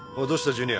ジュニア。